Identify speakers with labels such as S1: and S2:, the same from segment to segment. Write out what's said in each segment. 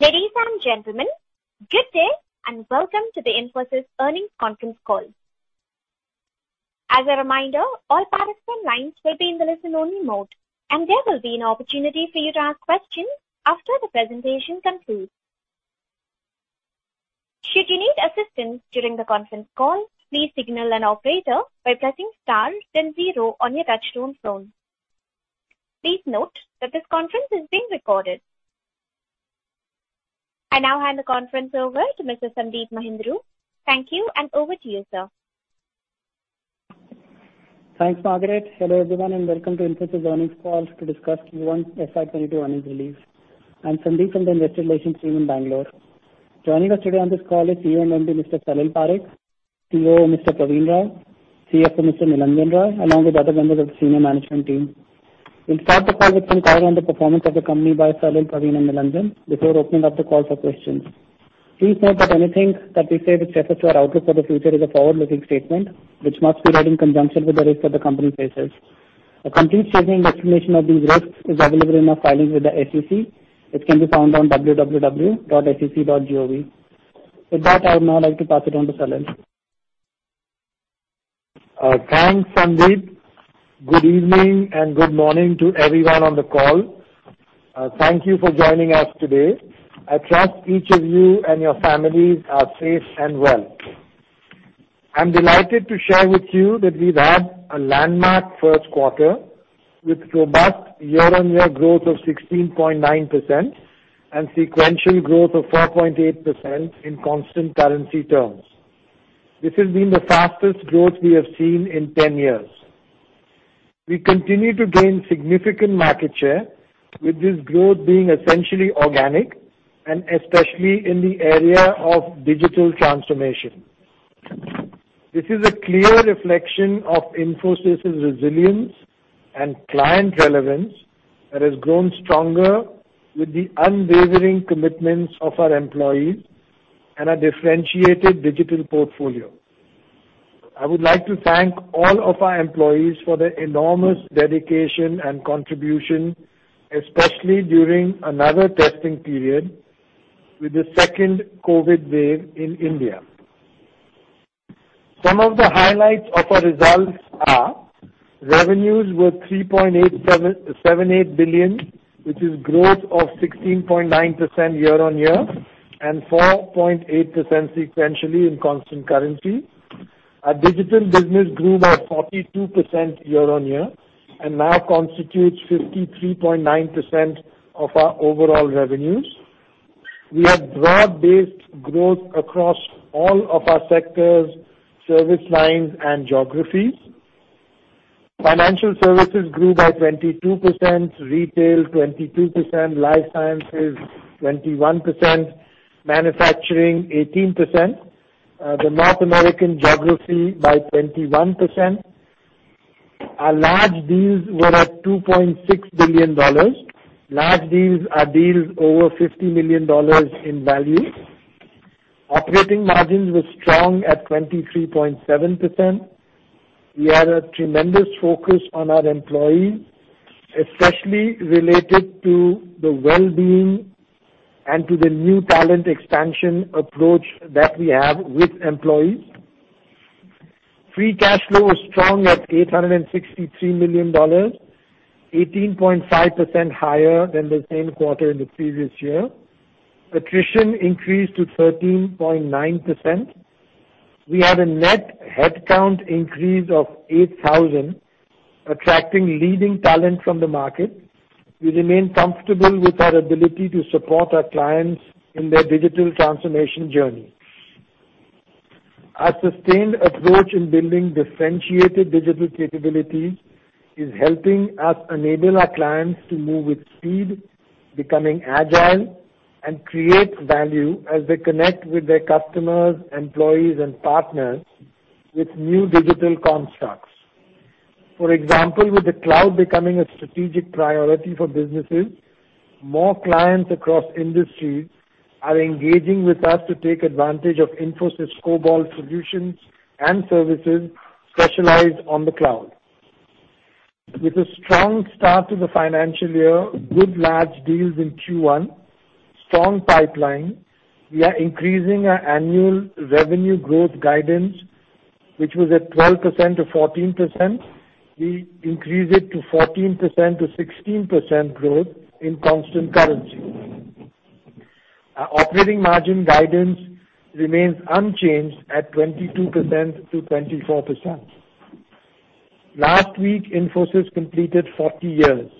S1: Ladies and gentlemen, good day. Welcome to the Infosys earnings conference call. As a reminder, all participant lines will be in listen-only mode, and there will be an opportunity for you to ask questions after the presentation concludes. Should you need assistance during the conference call, please signal an operator by pressing star then zero on your touchtone phone. Please note that this conference is being recorded. I now hand the conference over to Mr. Sandeep Mahindroo. Thank you. Over to you, sir.
S2: Thanks, Margaret. Hello, everyone, welcome to Infosys earnings call to discuss Q1 FY 2021 results. I'm Sandeep from the investor relations team in Bangalore. Joining us today on this call is CEO and MD, Mr. Salil Parekh, COO, Mr. Pravin Rao, CFO, Mr. Nilanjan Roy along with other members of senior management team. We'll start the call with some color on the performance of the company by Salil, Pravin, and Nilanjan before opening up the call for questions. Please note that anything that we say that refers to our outlook for the future is a forward-looking statement, which must be read in conjunction with the rest of the Company's filings. A complete statement and description of these risks is available in our filings with the SEC, which can be found on www.sec.gov. With that, I would now like to pass it on to Salil.
S3: Thanks, Sandeep. Good evening and good morning to everyone on the call. Thank you for joining us today. I trust each of you and your families are safe and well. I'm delighted to share with you that we've had a landmark first quarter with robust year-on-year growth of 16.9% and sequential growth of 4.8% in constant currency terms. This has been the fastest growth we have seen in 10 years. We continue to gain significant market share, with this growth being essentially organic and especially in the area of digital transformation. This is a clear reflection of Infosys' resilience and client relevance that has grown stronger with the unwavering commitments of our employees and our differentiated digital portfolio. I would like to thank all of our employees for their enormous dedication and contribution, especially during another testing period with the second COVID wave in India. Some of the highlights of our results are: Revenues were $3.878 billion, which is growth of 16.9% year-on-year and 4.8% sequentially in constant currency. Our digital business grew by 42% year-on-year and now constitutes 53.9% of our overall revenues. We have broad-based growth across all of our sectors, service lines, and geographies. Financial services grew by 22%, retail 22%, life sciences 21%, manufacturing 18%, the North American geography by 21%. Our large deals were at $2.6 billion. Large deals are deals over $50 million in value. Operating margins were strong at 23.7%. We had a tremendous focus on our employees, especially related to their well-being and to the new talent expansion approach that we have with employees. Free cash flow was strong at $863 million, 18.5% higher than the same quarter in the previous year. Attrition increased to 13.9%. We had a net headcount increase of 8,000, attracting leading talent from the market. We remain comfortable with our ability to support our clients in their digital transformation journey. Our sustained approach in building differentiated digital capabilities is helping us enable our clients to move with speed, becoming agile, and create value as they connect with their customers, employees, and partners with new digital constructs. For example, with the cloud becoming a strategic priority for businesses, more clients across industries are engaging with us to take advantage of Infosys' global solutions and services specialized on the cloud. With a strong start to the financial year, good large deals in Q1, strong pipeline, we are increasing our annual revenue growth guidance, which was at 12%-14%. We increased it to 14%-16% growth in constant currency. Our operating margin guidance remains unchanged at 22%-24%. Last week, Infosys completed 40 years.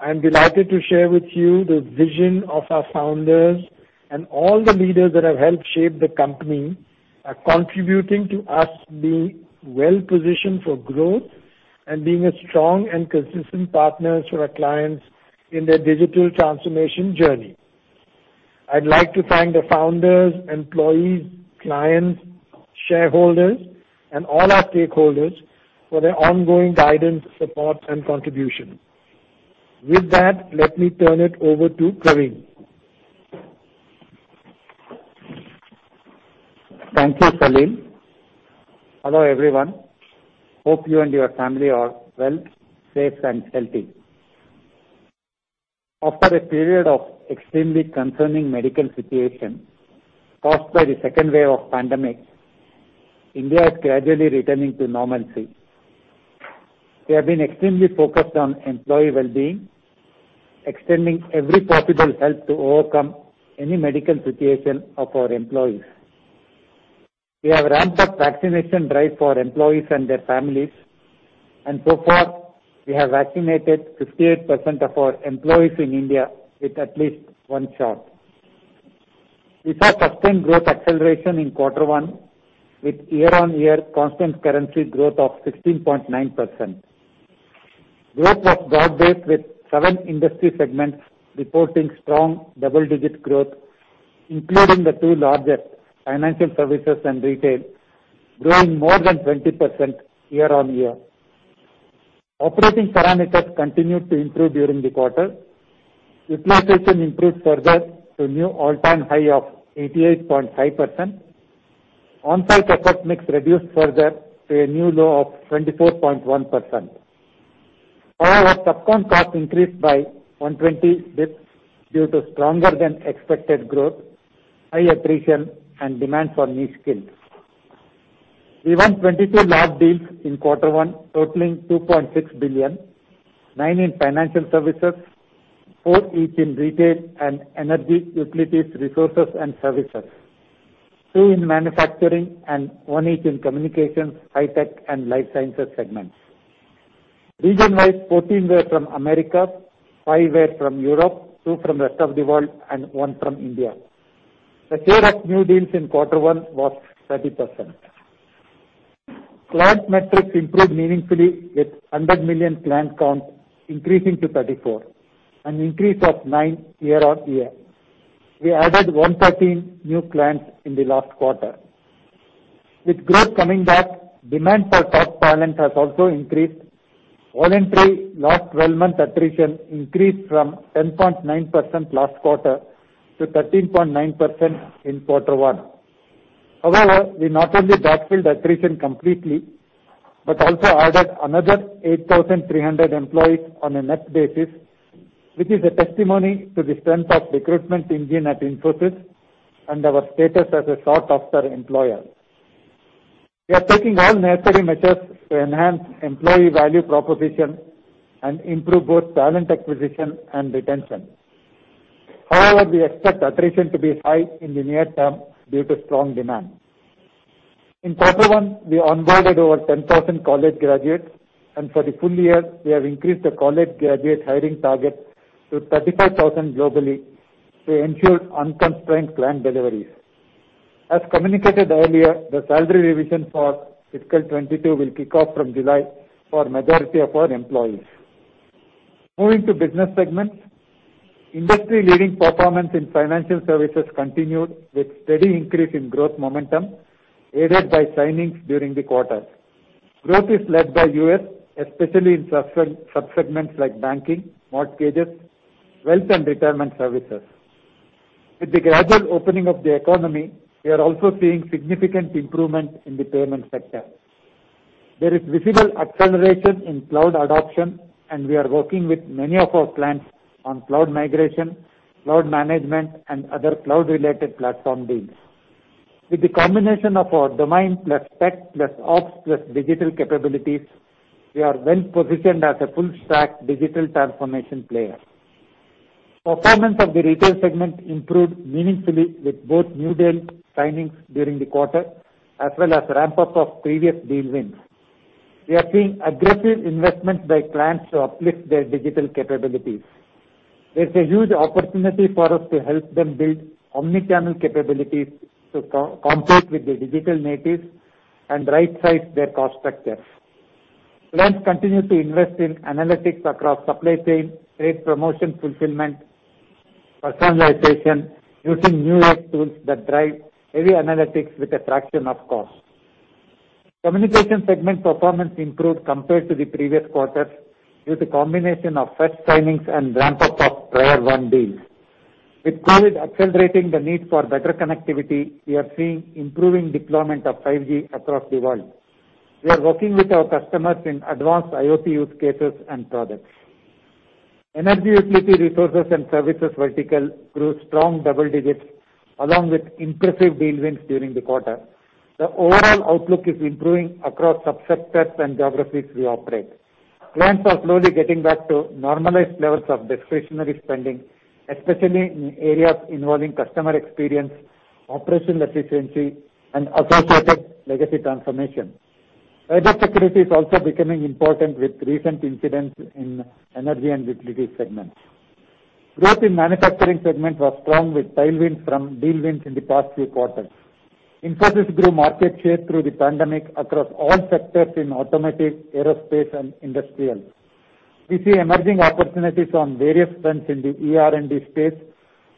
S3: I'm delighted to share with you the vision of our founders and all the leaders that have helped shape the company are contributing to us being well-positioned for growth and being a strong and consistent partner to our clients in their digital transformation journey. I'd like to thank the founders, employees, clients, shareholders, and all our stakeholders for their ongoing guidance, support, and contribution. With that, let me turn it over to Pravin.
S4: Thank you, Salil. Hello, everyone. Hope you and your family are well, safe, and healthy. After a period of extremely concerning medical situation caused by the second wave of pandemic, India is gradually returning to normalcy. We have been extremely focused on employee wellbeing, extending every possible help to overcome any medical situation of our employees. We have ramped up vaccination drive for employees and their families, and so far, we have vaccinated 58% of our employees in India with at least one shot. We saw sustained growth acceleration in quarter one with year-on-year constant currency growth of 16.9%. Growth was broad-based with seven industry segments reporting strong double-digit growth, including the two largest, financial services and retail, growing more than 20% year-on-year. Operating parameters continued to improve during the quarter. Utilization improved further to a new all-time high of 88.5%. Onsite effort mix reduced further to a new low of 24.1%. However, subcon costs increased by 120 basis points due to stronger than expected growth, high attrition, and demand for niche skills. We won 22 large deals in quarter one, totaling $2.6 billion, nine in financial services, four each in retail and energy, utilities, resources and services, two in manufacturing, and one each in communications, high tech and life sciences segments. Region-wise, 14 were from America, five were from Europe, two from rest of the world, and one from India. The share of new deals in quarter one was 30%. Client metrics improved meaningfully with 100 million client count increasing to 34, an increase of nine year-on-year. We added 113 new clients in the last quarter. With growth coming back, demand for top talent has also increased. Voluntary last 12-month attrition increased from 10.9% last quarter to 13.9% in quarter one. However, we not only backfilled attrition completely, but also added another 8,300 employees on a net basis, which is a testimony to the strength of recruitment engine at Infosys and our status as a sought-after employer. We are taking all necessary measures to enhance employee value proposition and improve both talent acquisition and retention. However, we expect attrition to be high in the near term due to strong demand. In quarter one, we onboarded over 10,000 college graduates, and for the full year, we have increased the college graduate hiring target to 35,000 globally to ensure unconstrained client deliveries. As communicated earlier, the salary revision for fiscal 2022 will kick off from July for majority of our employees. Moving to business segments, industry-leading performance in financial services continued with steady increase in growth momentum, aided by signings during the quarter. Growth is led by U.S., especially in sub-segments like banking, mortgages, wealth and retirement services. With the gradual opening of the economy, we are also seeing significant improvement in the payment sector. There is visible acceleration in cloud adoption, and we are working with many of our clients on cloud migration, cloud management, and other cloud-related platform deals. With the combination of our domain, plus tech, plus ops, plus digital capabilities, we are well positioned as a full stack digital transformation player. Performance of the retail segment improved meaningfully with both new deal signings during the quarter, as well as ramp-ups of previous deal wins. We are seeing aggressive investments by clients to uplift their digital capabilities. There's a huge opportunity for us to help them build omni-channel capabilities to compete with the digital natives and right-size their cost structure. Clients continue to invest in analytics across supply chain, trade promotion, fulfillment, personalization, using new age tools that drive heavy analytics with a fraction of cost. Communication segment performance improved compared to the previous quarters due to combination of fresh signings and ramp-up of prior won deals. With COVID accelerating the need for better connectivity, we are seeing improving deployment of 5G across the world. We are working with our customers in advanced IoT use cases and products. Energy, utility, resources, and services vertical grew strong double digits, along with impressive deal wins during the quarter. The overall outlook is improving across sub-sectors and geographies we operate. Clients are slowly getting back to normalized levels of discretionary spending, especially in areas involving customer experience, operational efficiency, and associated legacy transformation. Cyber security is also becoming important with recent incidents in energy and utility segments. Growth in manufacturing segment was strong with tailwinds from deal wins in the past few quarters. Infosys grew market share through the pandemic across all sectors in automotive, aerospace, and industrial. We see emerging opportunities on various fronts in the ER&D space,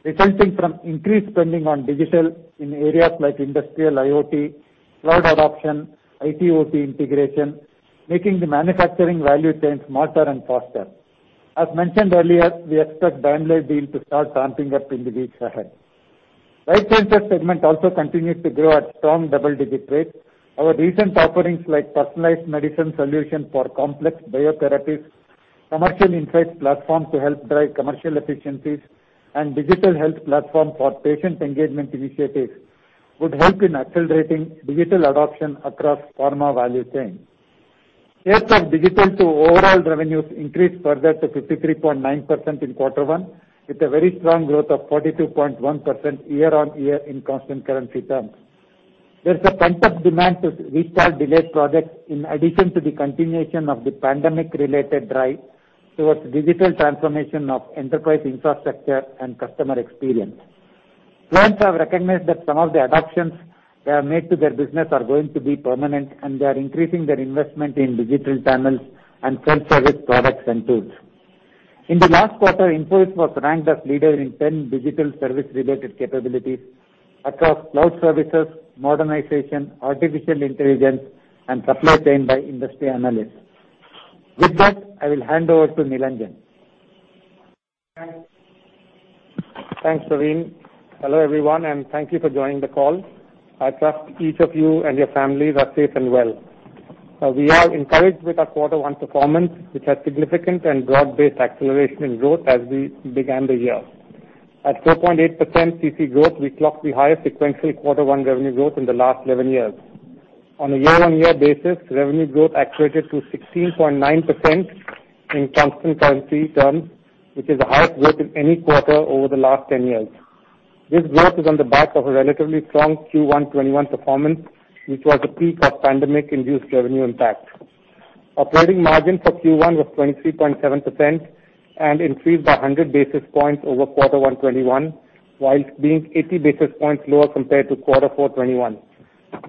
S4: resulting from increased spending on digital in areas like industrial IoT, cloud adoption, IT/OT integration, making the manufacturing value chain smarter and faster. As mentioned earlier, we expect Daimler deal to start ramping up in the weeks ahead. Life sciences segment also continues to grow at strong double-digit rates. Our recent offerings like personalized medicine solution for complex biotherapeutics, commercial insight platform to help drive commercial efficiencies, and digital health platform for patient engagement initiatives would help in accelerating digital adoption across pharma value chain. Share of digital to overall revenues increased further to 53.9% in Q1, with a very strong growth of 42.1% year-on-year in constant currency terms. There's a pent-up demand to restart delayed projects in addition to the continuation of the pandemic-related drive towards digital transformation of enterprise infrastructure and customer experience. Clients have recognized that some of the adoptions they have made to their business are going to be permanent, and they are increasing their investment in digital channels and associated products and tools. In the last quarter, Infosys was ranked as leader in 10 digital service-related capabilities across cloud services, modernization, artificial intelligence, and supply chain by industry analysts. With that, I will hand over to Nilanjan.
S5: Thanks, Pravin. Hello, everyone, thank you for joining the call. I trust each of you and your families are safe and well. We are encouraged with our quarter one performance, which has significant and broad-based acceleration in growth as we began the year. At 4.8% CC growth, we clocked the highest sequential Q1 revenue growth in the last 11 years. On a year-over-year basis, revenue growth accelerated to 16.9% in constant currency terms, which is the highest growth in any quarter over the last 10 years. This growth is on the back of a relatively strong Q1 2021 performance, which was at the peak of pandemic-induced revenue impact. Operating margin for Q1 was 23.7% and increased by 100 basis points over Q1 2021, while being 80 basis points lower compared to Q4 2021.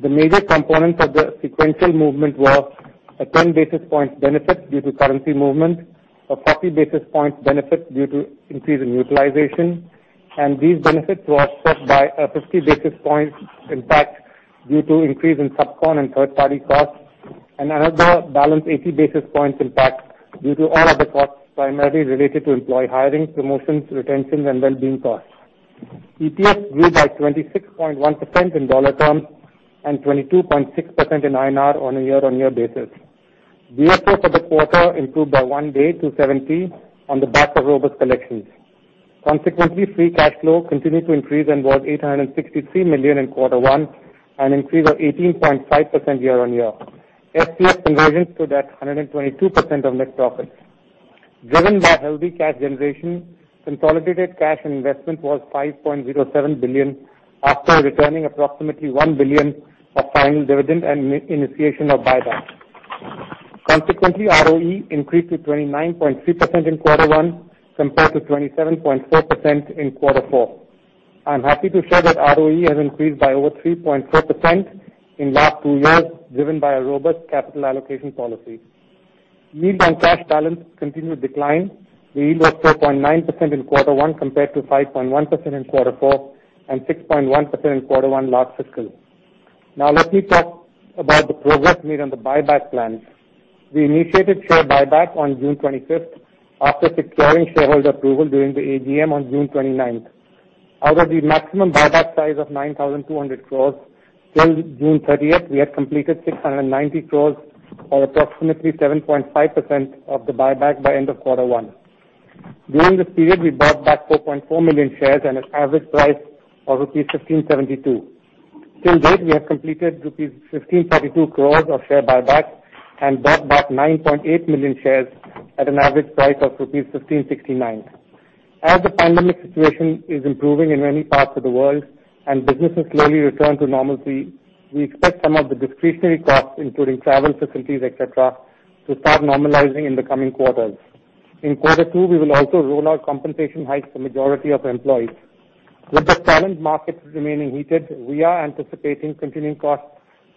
S5: The major components of the sequential movement were a 10 basis points benefit due to currency movement, a 40 basis points benefit due to increase in utilization, and these benefits were offset by a 50 basis points impact due to increase in subcon and third-party costs, and another balance 80 basis points impact due to other costs primarily related to employee hiring, promotions, retention, and well-being costs. EPS grew by 26.1% in dollar terms and 22.6% in INR on a year-on-year basis. DSO for the quarter improved by one day to 70 on the back of robust collections. Consequently, free cash flow continued to increase and was $863 million in quarter one, an increase of 18.5% year-on-year. FCF margins stood at 122% of net profits. Driven by healthy cash generation, consolidated cash investment was $5.07 billion, after returning approximately $1 billion of final dividend and initiation of buyback. Consequently, ROE increased to 29.3% in quarter one compared to 27.4% in quarter four. I'm happy to share that ROE has increased by over 3.4% in the last two years, driven by a robust capital allocation policy. Yield on cash balance continued to decline. The yield was 4.9% in quarter one compared to 5.1% in quarter four and 6.1% in quarter one last fiscal. Now let me talk about the progress made on the buyback plans. We initiated share buyback on June 25th after securing shareholder approval during the AGM on June 29th. Out of the maximum buyback size of 9,200 crores till June 30th, we have completed 690 crores or approximately 7.5% of the buyback by end of quarter one. During this period, we bought back 4.4 million shares at an average price of rupees 1,572. Till date, we have completed rupees 1,532 crores of share buyback and bought back 9.8 million shares at an average price of rupees 1,569. As the pandemic situation is improving in many parts of the world and businesses slowly return to normalcy, we expect some of the discretionary costs, including travel facilities, etc., to start normalizing in the coming quarters. In quarter two, we will also roll out compensation hikes for majority of employees. With the talent markets remaining heated, we are anticipating continuing costs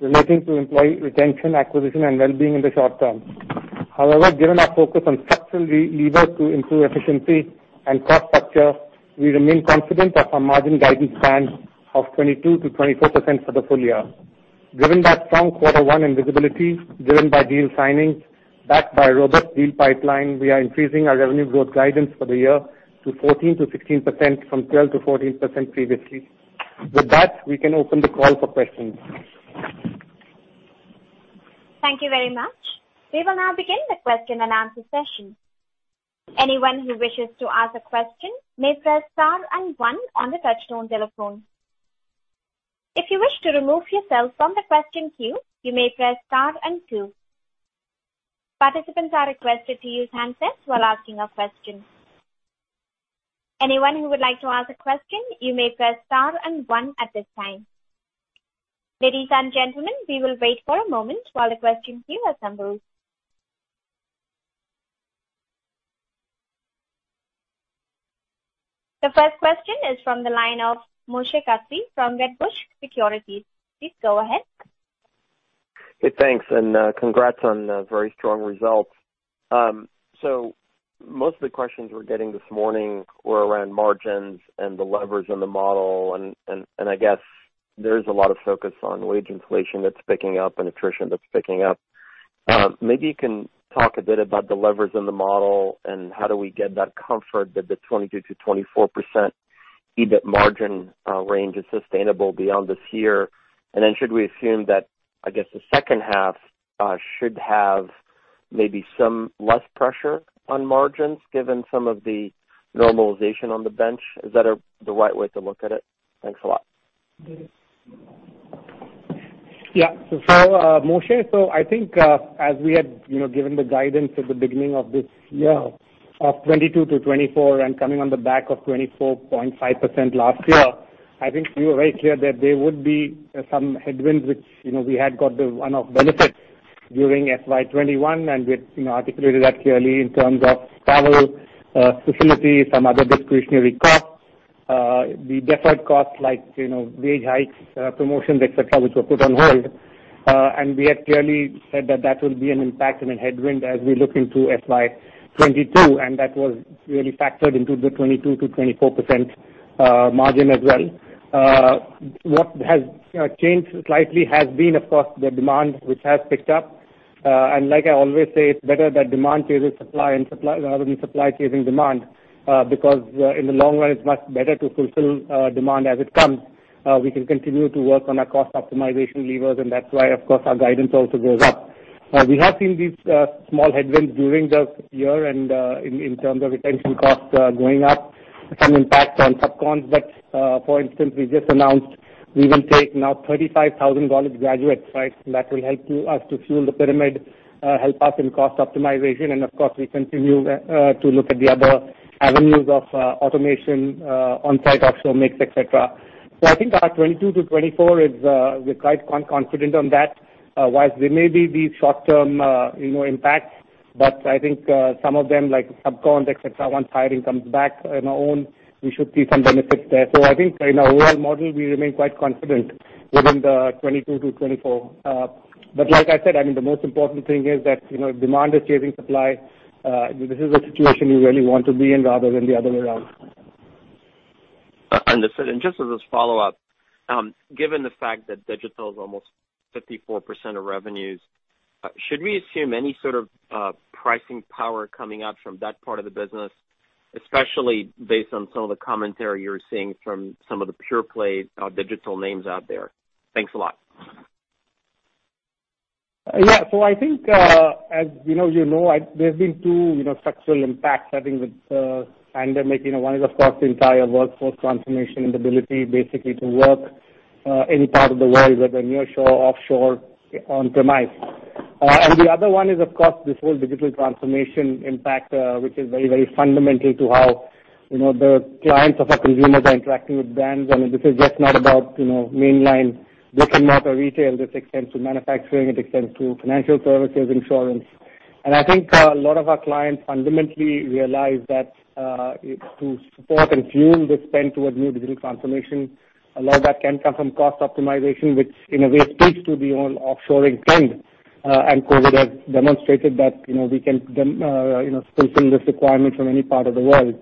S5: relating to employee retention, acquisition, and well-being in the short term. Given our focus on structural levers to improve efficiency and cost structure, we remain confident of our margin guidance band of 22%-24% for the full year. Given that strong quarter one visibility driven by deal signings, backed by a robust deal pipeline, we are increasing our revenue growth guidance for the year to 14%-16% from 12%-14% previously. With that, we can open the call for questions.
S1: Thank you very much. We will now begin the question and answer session. Anyone who wishes to ask a question may press star and one on the touchtone telephone. If you wish to remove yourself from the question queue, you may press star and two. Participants are requested to use handsets while asking a question. Anyone who would like to ask a question, you may press star and one at this time. Ladies and gentlemen, we will wait for a moment while the question queue assembles. The first question is from the line of Moshe Katri from Wedbush Securities. Please go ahead.
S6: Hey, thanks, and congrats on the very strong results. Most of the questions we're getting this morning were around margins and the leverage in the model and, I guess, there's a lot of focus on wage inflation that's picking up and attrition that's picking up. Maybe you can talk a bit about the levers in the model and how do we get that comfort that the 22%-24% EBIT margin range is sustainable beyond this year. Should we assume that, I guess, the second half should have maybe some less pressure on margins, given some of the normalization on the bench? Is that the right way to look at it? Thanks a lot.
S5: Yeah. Moshe, I think, as we had given the guidance at the beginning of this year of 22%-24% and coming on the back of 24.5% last year, I think we were very clear that there would be some headwinds, which we had got the one-off benefits during FY 2021, and we had articulated that clearly in terms of travel, facilities, some other discretionary costs. The deferred costs like wage hikes, promotions, et cetera, which were put on hold. We had clearly said that that will be an impact and a headwind as we look into FY 2022, and that was really factored into the 22%-24% margin as well. What has changed slightly has been, of course, the demand, which has picked up. Like I always say, it's better that demand chases supply rather than supply chasing demand. Because, in the long run, it's much better to fulfill demand as it comes. We can continue to work on our cost optimization levers, that's why, of course, our guidance also goes up. We have seen these small headwinds during the year and in terms of retention costs going up, some impact on subcon. For instance, we just announced we will take now 35,000 college graduates, right? That will help us to fuel the pyramid, help us in cost optimization, and of course, we continue to look at the other avenues of automation, onsite, offshore mix, et cetera. I think our 22%-24%, we're quite confident on that. While there may be these short-term impacts. I think, some of them like subcon, et cetera, once hiring comes back in our own, we should see some benefits there. I think in our overall model, we remain quite confident within the 22%-24%. Like I said, I mean, the most important thing is that demand is chasing supply. This is a situation you really want to be in rather than the other way around.
S6: Understood. Just as a follow-up, given the fact that digital is almost 54% of revenues, should we assume any sort of pricing power coming out from that part of the business, especially based on some of the commentary you're seeing from some of the pure play digital names out there? Thanks a lot.
S5: I think, as you know, there's been two structural impacts, I think, with the pandemic. One is, of course, the entire workforce transformation and the ability basically to work any part of the world, whether near shore, offshore, on-premise. The other one is, of course, this whole digital transformation impact, which is very, very fundamental to how the clients of our consumers are interacting with brands. I mean, this is just not about mainline brick-and-mortar retail. This extends to manufacturing, it extends to financial services, insurance. I think a lot of our clients fundamentally realize that to support and fuel the spend towards new digital transformation, a lot of that can come from cost optimization, which in a way speaks to the whole offshoring trend. COVID has demonstrated that we can fulfill this requirement from any part of the world,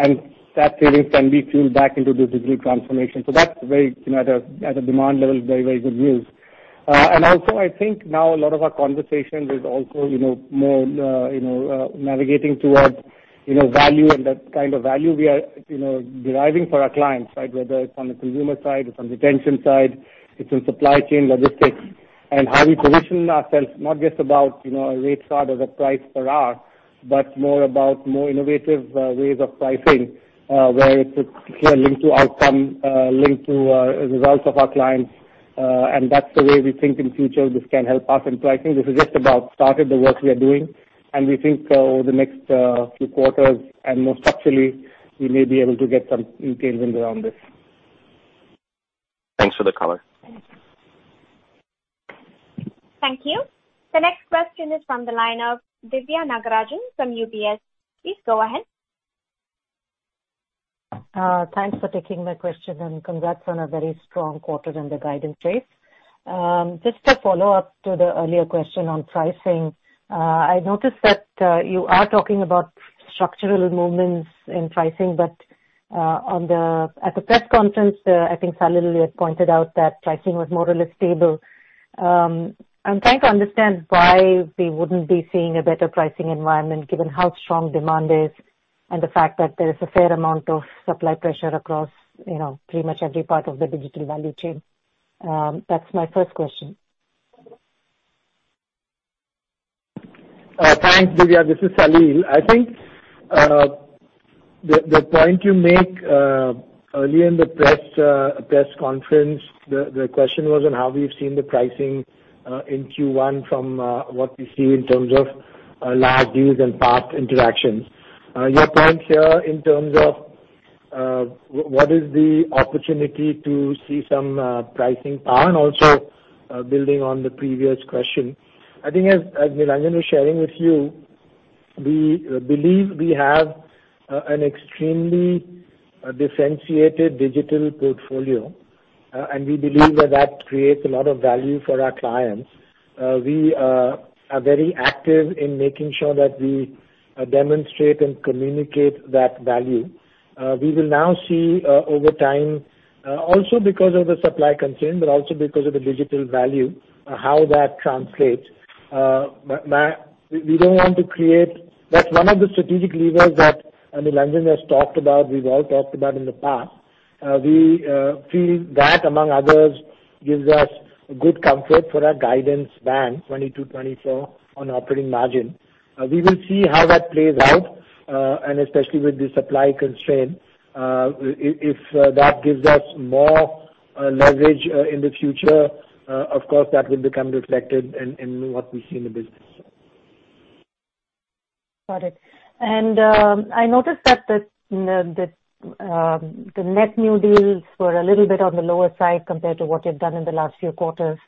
S5: and that savings can be fueled back into the digital transformation. That's, at a demand level, very, very good news. Also, I think now a lot of our conversations is also more navigating towards value and that kind of value we are deriving for our clients, right? Whether it's on the consumer side, it's on retention side, it's on supply chain logistics. How we position ourselves, not just about a rate card as a price per hour, but more about more innovative ways of pricing, where it's clearly linked to outcome, linked to results of our clients. That's the way we think in future this can help us. I think this is just about started the work we are doing, and we think over the next few quarters and more structurally, we may be able to get some tailwinds around this.
S6: Thanks for the color.
S1: Thank you. The next question is from the line of Diviya Nagarajan from UBS. Please go ahead.
S7: Thanks for taking my question and congrats on a very strong quarter and the guidance, Salil. Just a follow-up to the earlier question on pricing. I noticed that you are talking about structural movements in pricing, but at the press conference, I think, Salil, you had pointed out that pricing was more or less stable. I'm trying to understand why we wouldn't be seeing a better pricing environment, given how strong demand is and the fact that there is a fair amount of supply pressure across pretty much every part of the digital value chain. That's my first question.
S3: Thanks, Diviya. This is Salil. I think the point you make, earlier in the press conference, the question was on how we've seen the pricing in Q1 from what we see in terms of last deals and past interactions. Your point here in terms of what is the opportunity to see some pricing power and also building on the previous question. I think as Nilanjan was sharing with you, we believe we have an extremely differentiated digital portfolio, and we believe that that creates a lot of value for our clients. We are very active in making sure that we demonstrate and communicate that value. We will now see over time, also because of the supply constraint, but also because of the digital value, how that translates. That's one of the strategic levers that Nilanjan has talked about, we've all talked about in the past. We feel that, among others, gives us a good comfort for our guidance span, 22%-24% on operating margin. We will see how that plays out, and especially with the supply constraint. If that gives us more leverage in the future, of course, that will become reflected in what we see in the business.
S7: Got it. I noticed that the net new deals were a little bit on the lower side compared to what you've done in the last few quarters.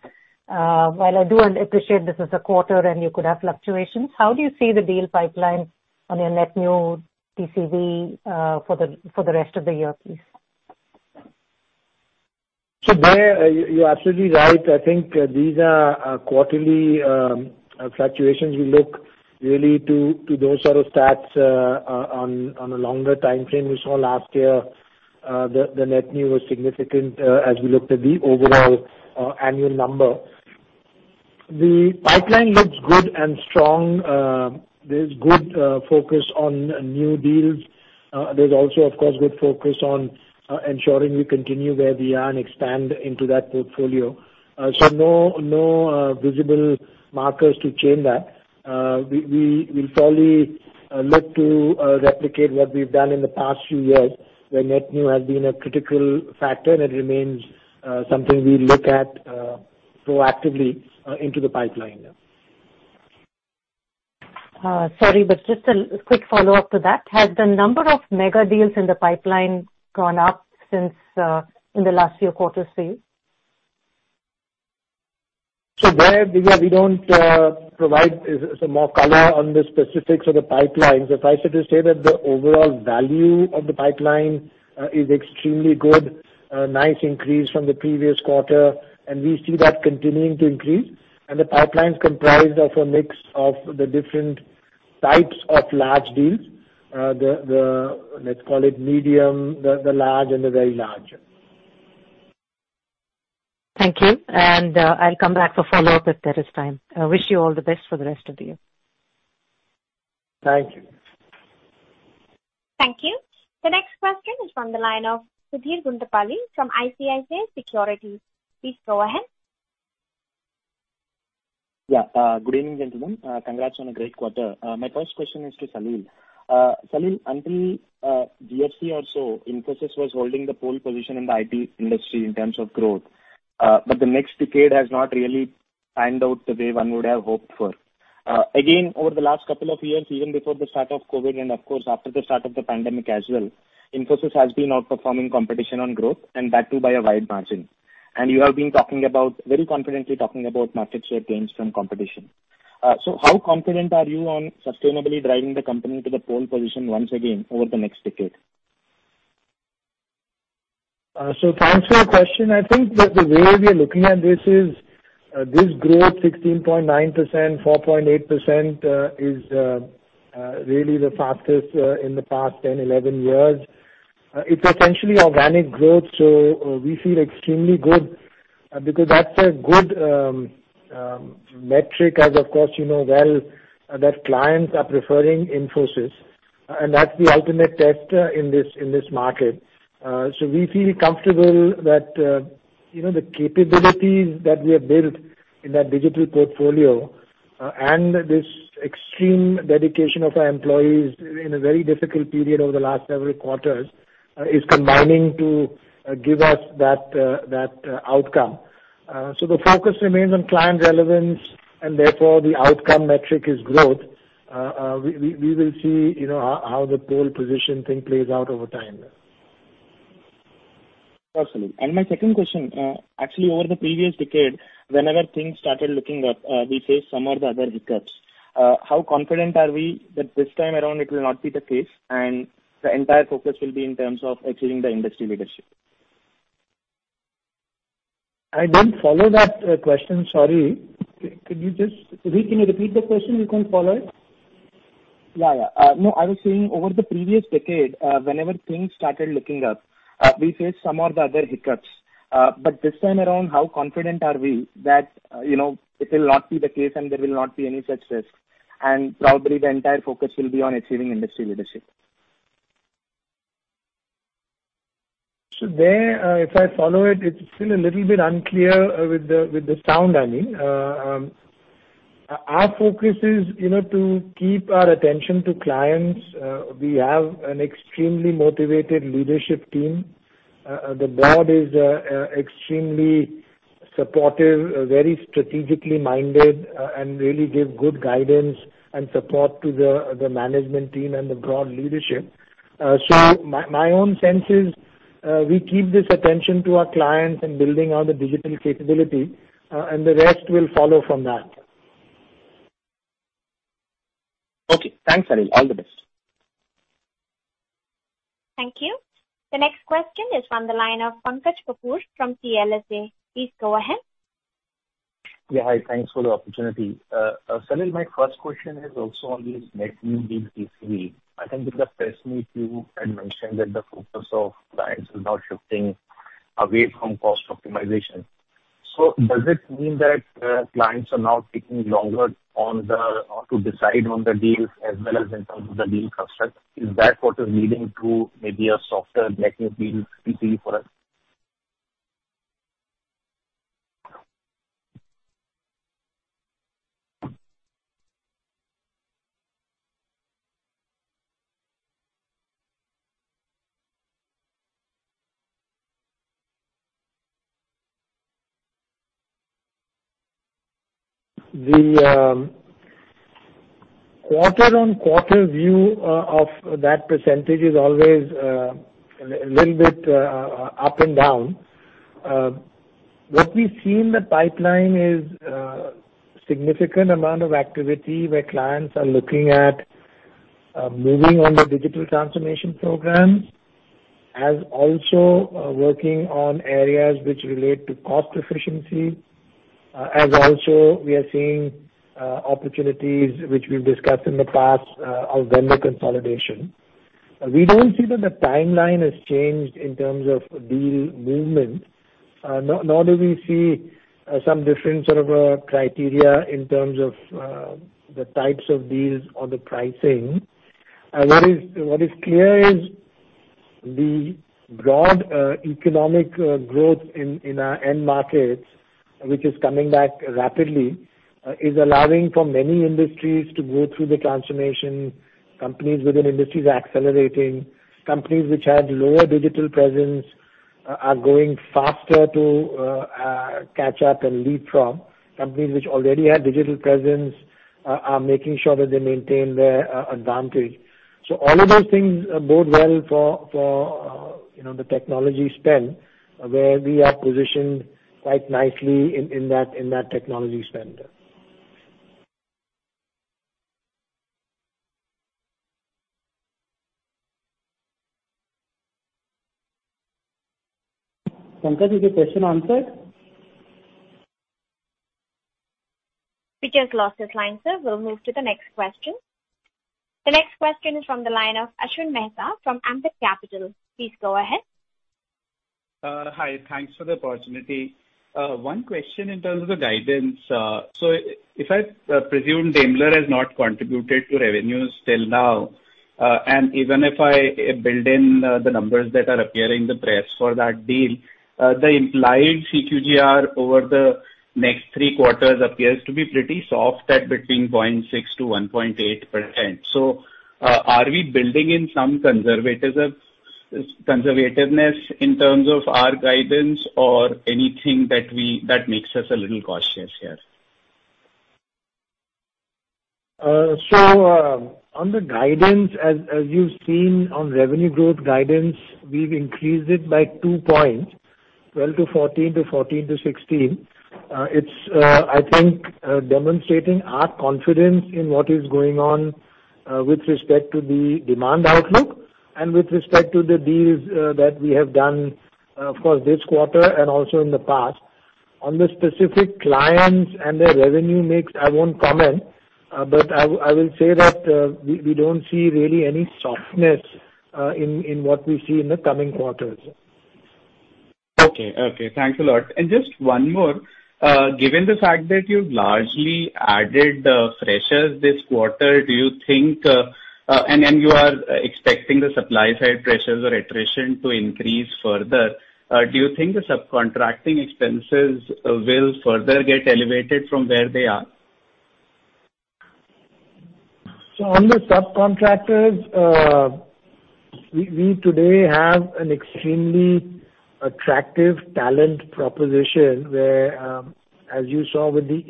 S7: While I do appreciate this is a quarter and you could have fluctuations, how do you see the deal pipeline on your net-new TCV for the rest of the year, please?
S3: There, you're absolutely right. I think these are quarterly fluctuations. We look really to those sort of stats on a longer timeframe. We saw last year, the net-new was significant, as we looked at the overall annual number. The pipeline looks good and strong. There's good focus on new deals. There's also, of course, good focus on ensuring we continue where we are and expand into that portfolio. No visible markers to change that. We'll probably look to replicate what we've done in the past few years, where net-new has been a critical factor and it remains something we look at proactively into the pipeline.
S7: Sorry, just a quick follow-up to that. Has the number of mega deals in the pipeline gone up since in the last few quarters, say?
S3: There, Diviya, we don't provide some more color on the specifics of the pipelines. Suffice it to say that the overall value of the pipeline is extremely good. A nice increase from the previous quarter, and we see that continuing to increase. The pipeline's comprised of a mix of the different types of large deals. Let's call it medium, the large, and the very large.
S7: Thank you. I'll come back for follow-up if there is time. I wish you all the best for the rest of the year.
S3: Thank you.
S1: Thank you. The next question is from the line of Sudheer Guntupalli from ICICI Securities. Please go ahead.
S8: Good evening, gentlemen. Congrats on a great quarter. My first question is to Salil. Salil, until GFC also, Infosys was holding the pole position in the IT industry in terms of growth. The next decade has not really panned out the way one would have hoped for. Again, over the last couple of years, even before the start of COVID and of course, after the start of the pandemic as well, Infosys has been outperforming competition on growth, and that too by a wide margin. You have been very confidently talking about market share gains from competition. How confident are you on sustainably driving the company to the pole position once again over the next decade?
S3: Thanks for the question. I think that the way we are looking at this is, this growth, 16.9%, 4.8%, is really the fastest in the past 10, 11 years. It's essentially organic growth, so we feel extremely good because that's a good metric as, of course you know well, that clients are preferring Infosys. That's the ultimate test in this market. We feel comfortable that the capabilities that we have built in that digital portfolio and this extreme dedication of our employees in a very difficult period over the last several quarters is combining to give us that outcome. The focus remains on client relevance and therefore the outcome metric is growth. We will see how the pole position thing plays out over time.
S8: Awesome. My second question. Actually, over the previous decade, whenever things started looking up, we faced some of the other hiccups. How confident are we that this time around it will not be the case, and the entire focus will be in terms of achieving the industry leadership?
S3: I didn't follow that question, sorry. Could you repeat the question? We couldn't follow it.
S8: Yeah. No, I was saying over the previous decade, whenever things started looking up, we faced some of the other hiccups. This time around, how confident are we that it'll not be the case and there will not be any such risk, and probably the entire focus will be on achieving industry leadership?
S3: There, if I follow it's still a little bit unclear with the sound, I mean. Our focus is to keep our attention to clients. We have an extremely motivated leadership team. The board is extremely supportive, very strategically minded, and really give good guidance and support to the management team and the broad leadership. My own sense is, we keep this attention to our clients and building out the digital capability, and the rest will follow from that.
S8: Okay. Thanks, Salil. All the best.
S1: Thank you. The next question is on the line of Pankaj Kapoor from CLSA. Please go ahead.
S9: Yeah. Thanks for the opportunity. Salil, my first question is also on the net-new deals CC. I think because personally, you had mentioned that the focus of clients is now shifting away from cost optimization. Does it mean that clients are now taking longer to decide on the deals as well as in terms of the deal construct? Is that what is leading to maybe a softer net new deals CC for us?
S3: The quarter-on-quarter view of that percentage is always a little bit up and down. What we see in the pipeline is a significant amount of activity where clients are looking at moving on the digital transformation program and also working on areas which relate to cost efficiency. Also we are seeing opportunities which we've discussed in the past on vendor consolidation. We don't see that the timeline has changed in terms of deal movement, nor do we see some different sort of criteria in terms of the types of deals or the pricing. What is clear is the broad economic growth in our end markets, which is coming back rapidly, is allowing for many industries to go through the transformation. Companies within industries are accelerating. Companies which have lower digital presence are going faster to catch up and leapfrog. Companies which already have digital presence are making sure that they maintain their advantage. All of those things bode well for the technology spend, where we are positioned quite nicely in that technology spend. Pankaj, is your question answered?
S1: We just lost this line, sir. We'll move to the next question. The next question is from the line of Ashwin Mehta from Ambit Capital. Please go ahead.
S10: Hi, thanks for the opportunity. One question in terms of guidance. If I presume Daimler has not contributed to revenues till now, and even if I build in the numbers that are appearing in the press for that deal, the implied CQGR over the next three quarters appears to be pretty soft at between 0.6%-1.8%. Are we building in some conservativeness in terms of our guidance or anything that makes us a little cautious here?
S3: On the guidance, as you've seen on revenue growth guidance, we've increased it by 2 points, 12%-14% to 14%-16%. It's, I think, demonstrating our confidence in what is going on with respect to the demand outlook and with respect to the deals that we have done for this quarter and also in the past. On the specific clients and their revenue mix, I won't comment, but I will say that we don't see really any softness in what we see in the coming quarters.
S10: Okay. Thanks a lot. Just one more. Given the fact that you've largely added freshers this quarter, and you are expecting the supply-side pressures or attrition to increase further, do you think the subcontracting expenses will further get elevated from where they are?
S3: On the subcontractors, we today have an extremely attractive talent proposition where, as you saw with the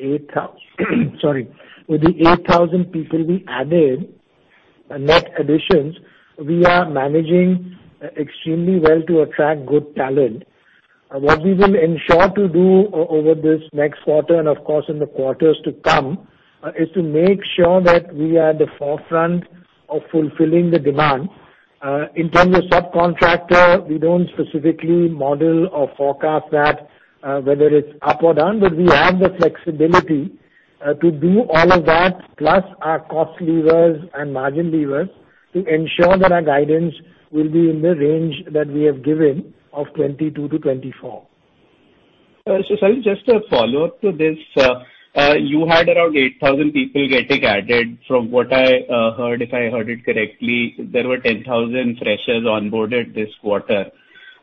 S3: 8,000 people we added, net additions, we are managing extremely well to attract good talent. What we will ensure to do over this next quarter and of course, in the quarters to come, is to make sure that we are at the forefront of fulfilling the demand. In terms of subcontractor, we don't specifically model or forecast that whether it's up or down, but we have the flexibility to do all of that, plus our cost levers and margin levers to ensure that our guidance will be in the range that we have given of 22%-24%.
S10: Salil, just a follow-up to this. You had around 8,000 people getting added. From what I heard, if I heard it correctly, there were 10,000 freshers onboarded this quarter.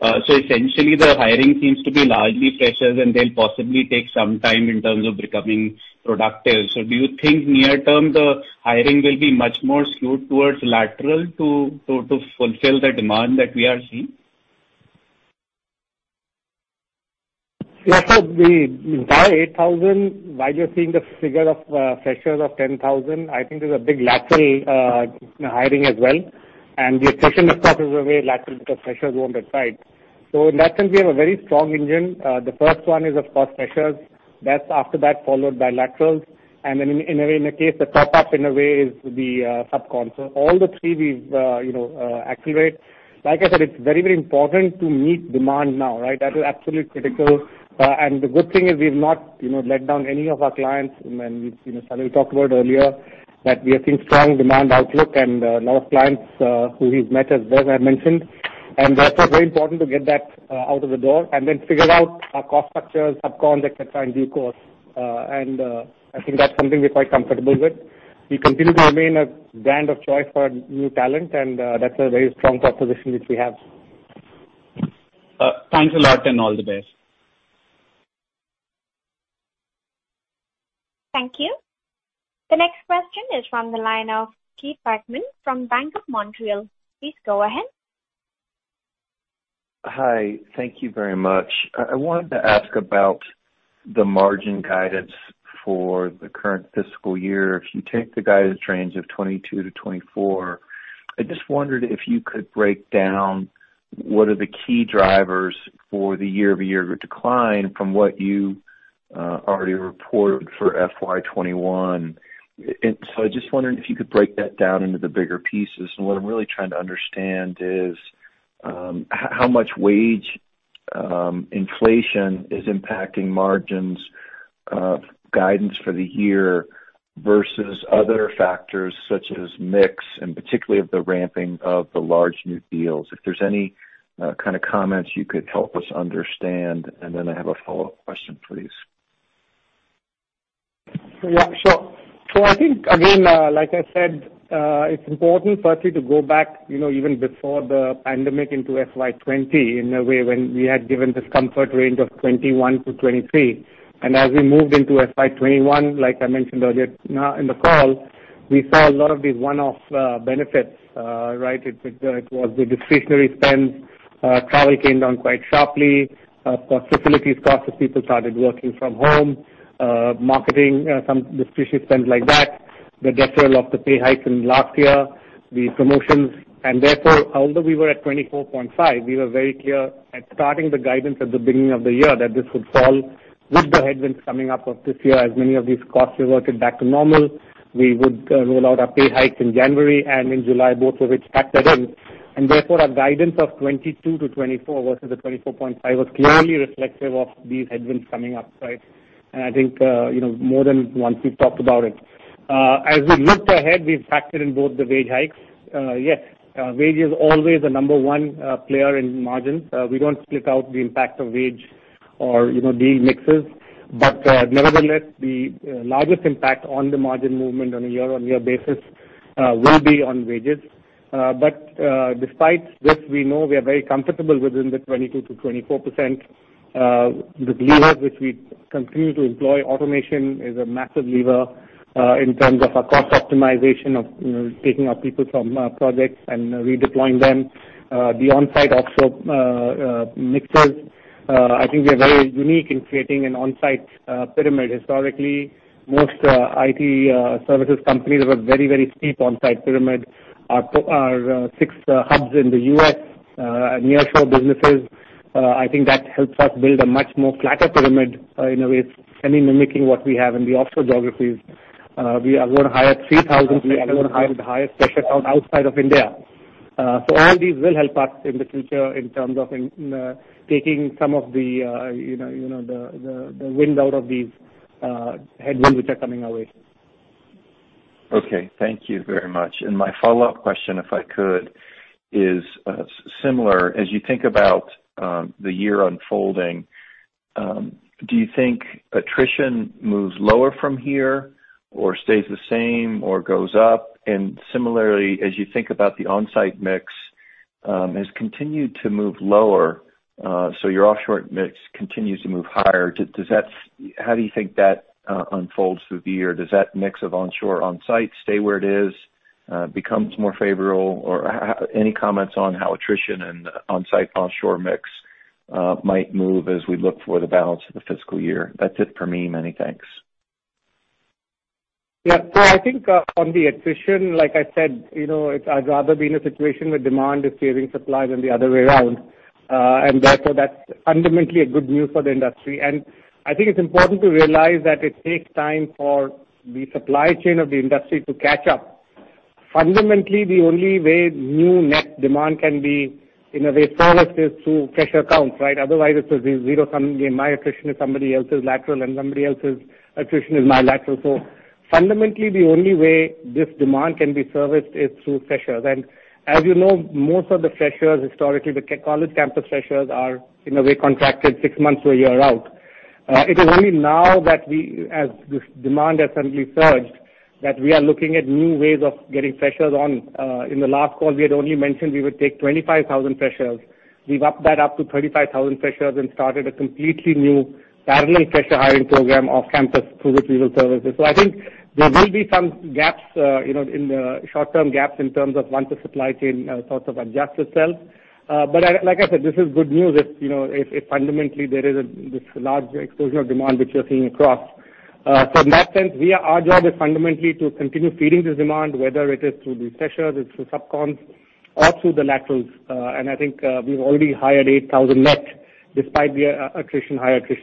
S10: Essentially the hiring seems to be largely freshers and they'll possibly take some time in terms of becoming productive. Do you think near term the hiring will be much more skewed towards lateral to fulfill the demand that we are seeing?
S3: Yeah. The 8,000, while you're seeing the figure of freshers of 10,000, I think there's a big lateral hiring as well. The attrition, of course, is largely lateral because freshers won't attrite. In talent, we have a very strong engine. The first one is, of course, freshers. That's after that, followed by laterals. In a way, the top-up in a way is the subcon. All the three we activate. Like I said, it's very important to meet demand now. That is absolutely critical. The good thing is we've not let down any of our clients. We talked about earlier that we are seeing strong demand outlook and a lot of clients who we've met as well, as I mentioned, and that's why very important to get that out of the door and then figure out our cost structure, subcon, et cetera, in due course. I think that's something we're quite comfortable with. We continue to remain a brand of choice for new talent. That's a very strong proposition which we have.
S10: Thanks a lot and all the best.
S1: Thank you. The next question is from the line of Keith Bachman from Bank of Montreal. Please go ahead.
S11: Hi. Thank you very much. I wanted to ask about the margin guidance for the current fiscal year. If you take the guidance range of 22%-24%, I just wondered if you could break down what are the key drivers for the year-over-year decline from what you already reported for FY 2021. I just wondered if you could break that down into the bigger pieces. What I'm really trying to understand is how much wage inflation is impacting margins of guidance for the year versus other factors such as mix and particularly the ramping of the large new deals. If there's any kind of comments you could help us understand, I have a follow-up question, please.
S5: Yeah, sure. I think, again, like I said, it's important firstly to go back even before the pandemic into FY 2020, in a way, when we had given this comfort range of 21%-23%. As we moved into FY 2021, like I mentioned earlier in the call, we saw a lot of these one-off benefits. It was the discretionary spend. Travel came down quite sharply. For facility staff as people started working from home. Marketing, some discretionary spends like that. The deferral of the pay hike from last year, the promotions, and therefore, although we were at 24.5%, we were very clear at starting the guidance at the beginning of the year that this would fall with the headwinds coming up of this year. As many of these costs reverted back to normal. We would roll out our pay hike in January and in July, both of which factored in. Therefore, our guidance of 22%-24% versus the 24.5% was clearly reflective of these headwinds coming up. I think more than once we've talked about it. As we looked ahead, we factored in both the wage hikes. Yes, wage is always the number one player in margin. We don't split out the impact of wage or deal mixes. Nevertheless, the largest impact on the margin movement on a year-over-year basis will be on wages. Despite this, we know we are very comfortable within the 22%-24%. The lever which we continue to employ, automation, is a massive lever in terms of our cost optimization of taking our people from projects and redeploying them. The onsite also mixes. I think we're very unique in creating an onsite pyramid historically. Most IT services companies have a very steep onsite pyramid. Our six hubs in the U.S. nearshore businesses, I think that helps us build a much more flatter pyramid in a way semi-mimicking what we have in the offshore geographies. We are going to hire 3,000 people. We are going to hire the highest freshers outside of India. All these will help us in the future in terms of taking some of the wind out of these headwinds which are coming our way.
S11: Okay. Thank you very much. My follow-up question, if I could, is similar. As you think about the year unfolding, do you think attrition moves lower from here or stays the same or goes up? Similarly, as you think about the onsite mix, has continued to move lower, so your offshore mix continues to move higher. How do you think that unfolds through the year? Does that mix of onshore, onsite stay where it is, becomes more favorable, or any comments on how attrition and onsite-offshore mix might move as we look for the balance of the fiscal year? That's it for me. Many thanks.
S3: Yeah. I think on the attrition, like I said, I'd rather be in a situation where demand is clearing supply than the other way around. Therefore, that's fundamentally a good news for the industry. I think it's important to realize that it takes time for the supply chain of the industry to catch up. Fundamentally, the only way new net demand can be in a way serviced is through fresher counts. Otherwise, it's a zero sum game. My attrition is somebody else's lateral, and somebody else's attrition is my lateral. Fundamentally, the only way this demand can be serviced is through freshers. As you know, most of the freshers historically, the college campus freshers are in a way contracted six months or a year out. It is only now that this demand has suddenly surged that we are looking at new ways of getting freshers on. In the last call, we had only mentioned we would take 25,000 freshers. We've upped that up to 35,000 freshers and started a completely new parallel fresher hiring program off-campus through digital services. I think there will be some gaps, short-term gaps in terms of once the supply chain sort of adjusts itself. Like I said, this is good news if fundamentally there is this large explosion of demand which you're seeing across. From that sense, our job is fundamentally to continue feeding the demand, whether it is through the freshers, through subcon, or through the laterals. I think we've already hired 8,000 net despite the attrition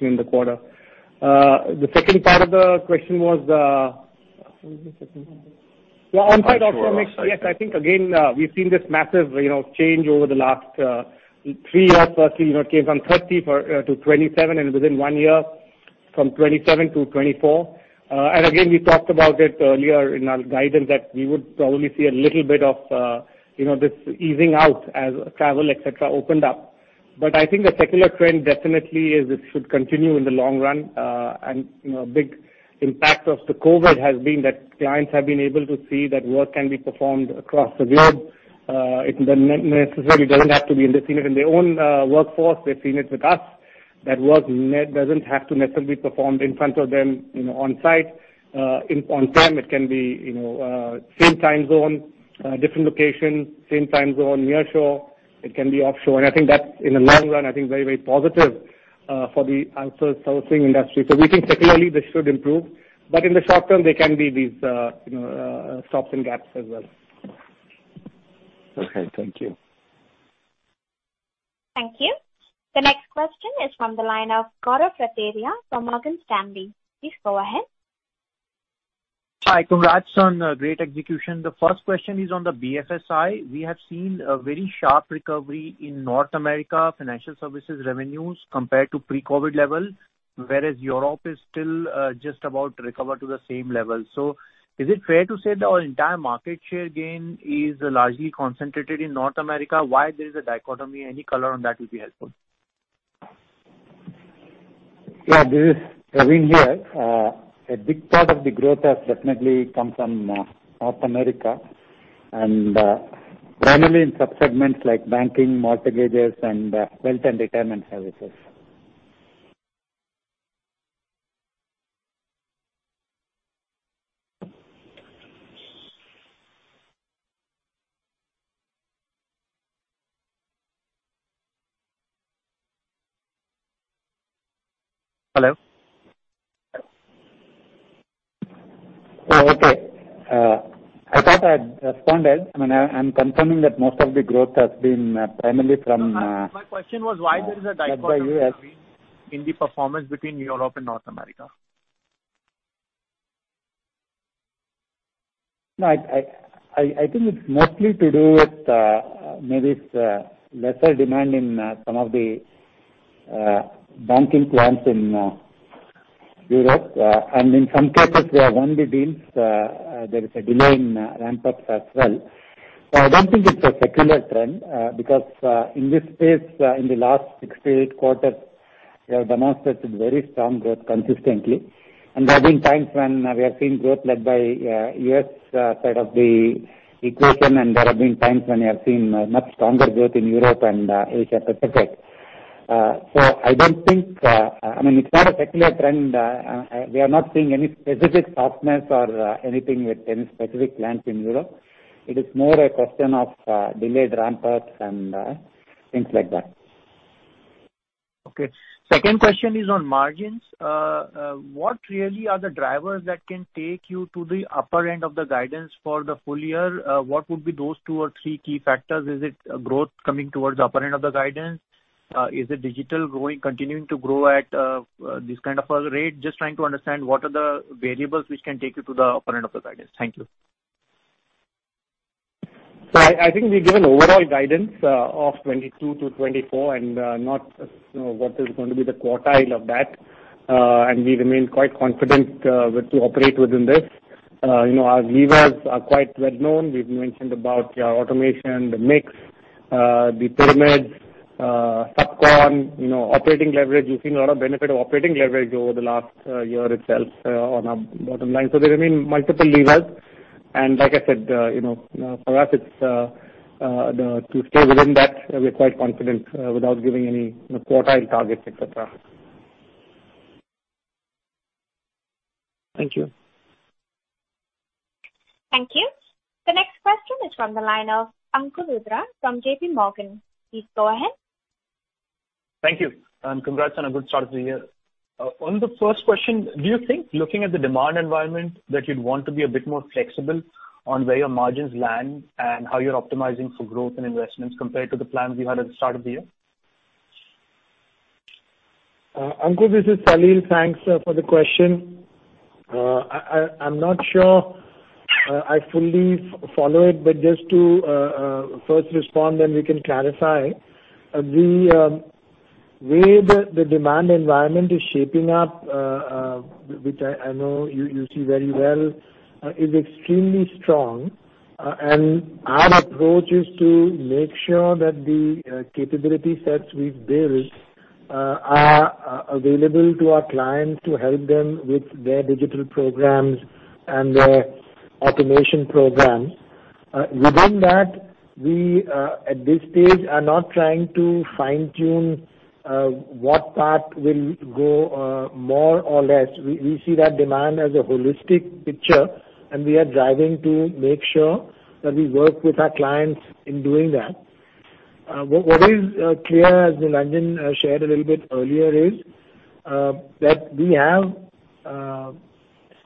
S3: in the quarter. What was the second part? On part automation, yes, I think again, we've seen this massive change over the last three years roughly. It came from 30% to 27%, and within one year from 27% to 24%. Again, we talked about it earlier in our guidance that we would probably see a little bit of this easing out as travel, et cetera, opened up. I think the secular trend definitely is this should continue in the long run. Big impact of the COVID has been that clients have been able to see that work can be performed across the globe. It necessarily doesn't have to be invested in their own workforce. They've seen it with us, that work doesn't have to necessarily be performed in front of them onsite. It can be same time zone, different location, same time zone nearshore, it can be offshore. I think that in the long run, I think very, very positive for the outsourcing industry. We think secularly this should improve, but in the short term, there can be these stops and gaps as well.
S11: Okay. Thank you.
S1: Thank you. The next question is from the line of Gaurav Rateria from Morgan Stanley. Please go ahead.
S12: Hi. Congrats on a great execution. The first question is on the BFSI. We have seen a very sharp recovery in North America financial services revenues compared to pre-COVID levels, whereas Europe is still just about to recover to the same level. Is it fair to say that our entire market share gain is largely concentrated in North America? Why there's a dichotomy? Any color on that would be helpful.
S4: Yeah. This is Pravin here. A big part of the growth has definitely come from North America and primarily in sub-segments like banking, mortgages, and wealth and retirement services. Hello? Oh, okay. I thought I'd responded. I'm confirming that most of the growth has been primarily from.
S12: My question was why there's a dichotomy in the performance between Europe and North America.
S4: I think it's mostly to do with maybe it's lesser demand in some of the banking clients in Europe. In some cases where we won the deals, there is a delay in ramp-ups as well. I don't think it's a secular trend because in this space, in the last six to eight quarters, we have announced very strong growth consistently. There have been times when we have seen growth led by U.S. side of the equation, and there have been times when we have seen much stronger growth in Europe and Asia Pacific. It's not a secular trend. We are not seeing any specific softness or anything with any specific clients in Europe. It is more a question of delayed ramp-ups and things like that.
S12: Okay. Second question is on margins. What really are the drivers that can take you to the upper end of the guidance for the full year? What would be those two or three key factors? Is it growth coming towards the upper end of the guidance? Is it digital continuing to grow at this kind of a rate? Just trying to understand what are the variables which can take you to the upper end of the guidance. Thank you.
S5: I think we gave an overall guidance of 22%-24% and not what is going to be the quartile of that. We remain quite confident to operate within this. Our levers are quite well-known. We've mentioned about automation, the mix, the pyramids, subcon, operating leverage. We're seeing a lot of benefit of operating leverage over the last year itself on our bottom line. There are many multiple levers, and like I said for us to stay within that, we're quite confident without giving any quartile targets, et cetera.
S12: Thank you.
S1: Thank you. The next question is from the line of Ankur Rudra from JPMorgan. Please go ahead.
S13: Thank you. Congrats on a good start to the year. On the first question, do you think looking at the demand environment that you'd want to be a bit more flexible on where your margins land and how you're optimizing for growth and investments compared to the plans we had at the start of the year?
S3: Ankur, this is Salil Parekh. Thanks for the question. I'm not sure I fully follow it, but just to first respond, then we can clarify. The way the demand environment is shaping up, which I know you see very well, is extremely strong. Our approach is to make sure that the capability sets we build are available to our clients to help them with their digital programs and their automation programs. Within that, we at this stage are not trying to fine-tune what part will go more or less. We see that demand as a holistic picture, and we are driving to make sure that we work with our clients in doing that. What is clear, as Nilanjan shared a little bit earlier, is that we have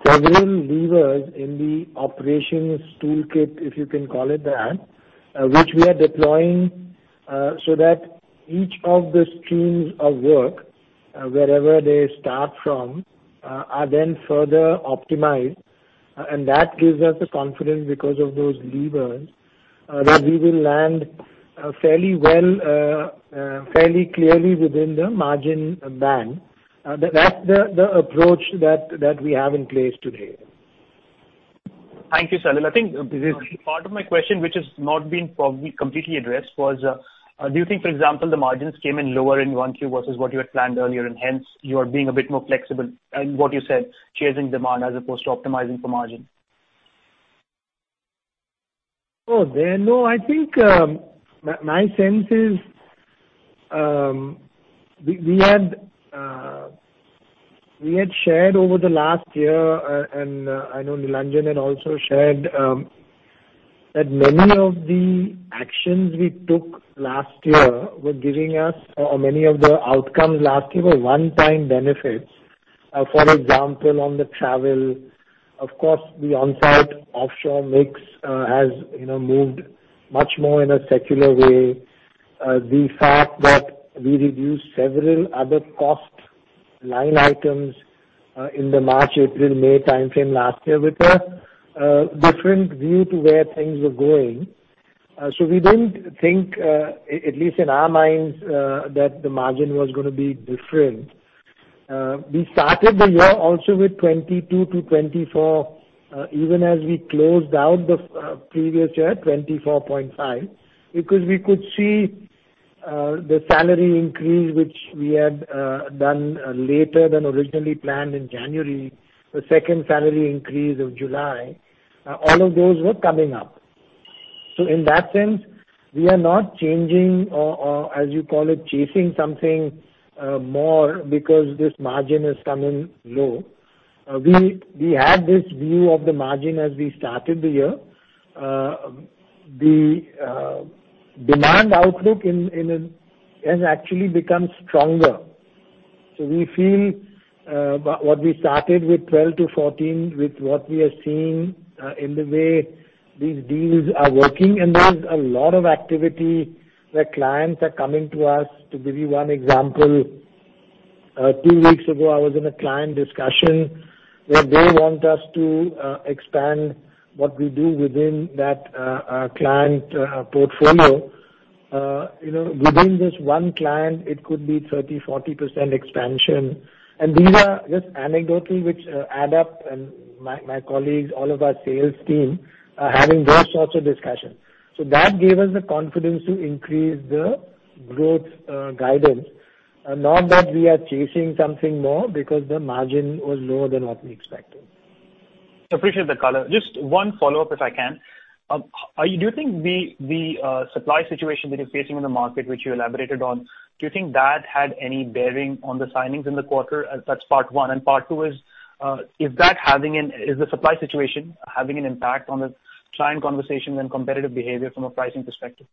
S3: several levers in the operations toolkit, if you can call it that, which we are deploying so that each of the streams of work, wherever they start from, are then further optimized. That gives us the confidence because of those levers, that we will land fairly clearly within the margin band. That's the approach that we have in place today.
S13: Thank you, Salil. I think part of my question which has not been probably completely addressed was, do you think, for example, the margins came in lower in Q1 versus what you had planned earlier, and hence you are being a bit more flexible, and what you said, chasing demand as opposed to optimizing for margin?
S3: Oh, no. I think my sense is we had shared over the last year, and I know Nilanjan had also shared, that many of the actions we took last year were giving us, or many of the outcomes last year, were one-time benefits. For example, on the travel. Of course, the on-site offshore mix has moved much more in a secular way. The fact that we reduced several other cost line items in the March, April, May timeframe last year with a different view to where things were going. We didn't think, at least in our minds, that the margin was going to be different. We started the year also with 22%-24%, even as we closed out the previous year at 24.5%. We could see the salary increase, which we had done later than originally planned in January, the second salary increase of July, all of those were coming up. In that sense, we are not changing or, as you call it, chasing something more because this margin has come in low. We had this view of the margin as we started the year. The demand outlook has actually become stronger. We feel what we started with 12-14, with what we are seeing in the way these deals are working, and there's a lot of activity where clients are coming to us. To give you one example, two weeks ago, I was in a client discussion where they want us to expand what we do within that client portfolio. Within this one client, it could be 30%-40% expansion. These are just anecdotal, which add up, and my colleagues, all of our sales team, are having those sorts of discussions. That gave us the confidence to increase the growth guidance. Not that we are chasing something more because the margin was lower than what we expected.
S13: Appreciate the color. Just one follow-up if I can. Do you think the supply situation that you're facing in the market, which you elaborated on, do you think that had any bearing on the signings in the quarter? That's part one. Part two is the supply situation having an impact on the client conversations and competitive behavior from a pricing perspective?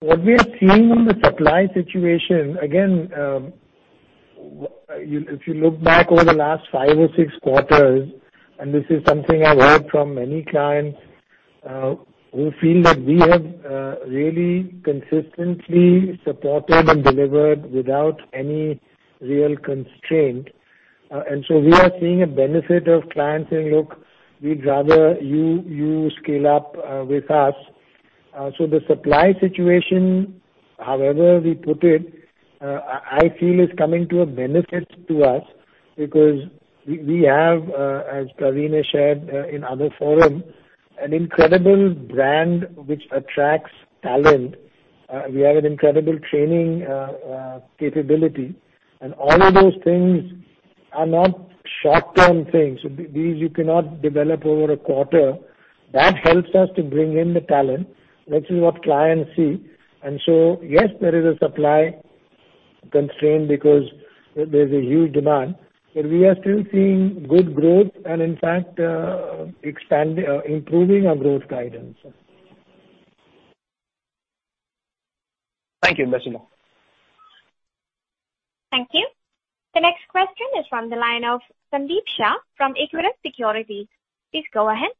S3: What we are seeing on the supply situation, again, if you look back over the last five or six quarters, and this is something I've heard from many clients, who feel that we have really consistently supported and delivered without any real constraint. We are seeing a benefit of clients saying, look, we'd rather you scale up with us. The supply situation, however we put it, I feel is coming to a benefit to us because we have, as Pravin has shared in other forums, an incredible brand which attracts talent. We have an incredible training capability. All of those things are not short-term things. These you cannot develop over a quarter. That helps us to bring in the talent, which is what clients see. Yes, there is a supply constraint because there's a huge demand, but we are still seeing good growth and in fact, improving our growth guidance.
S13: Thank you, Salil.
S1: Thank you. The next question is from the line of Sandeep Shah from Equirus Securities. Please go ahead.